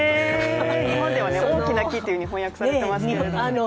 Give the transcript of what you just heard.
日本では「おおきな木」と翻訳されてますけれどもね。